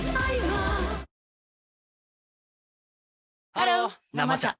ハロー「生茶」